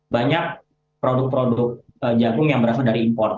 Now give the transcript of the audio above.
banyak produk produk jagung yang berasal dari import